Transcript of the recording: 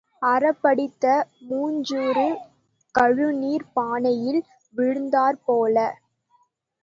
அறப்படித்த மூஞ்சூறு கழுநீர்ப் பானையில் விழுந்தாற் போல.